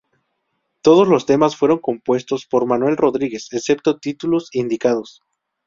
Todos los temas fueron compuestos por Manuel Rodríguez, excepto títulos indicados.